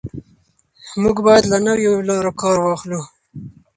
موږ باید له نویو لارو کار واخلو.